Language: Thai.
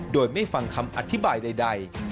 โดยไม่ฟังคำอธิบายใด